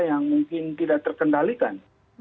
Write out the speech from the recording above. yang mungkin tidak terkendalikan